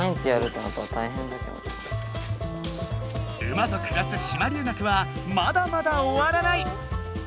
馬と暮らす島留学はまだまだおわらない！